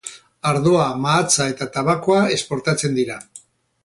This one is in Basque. Ardoa, mahatsa eta tabakoa esportatzen dira.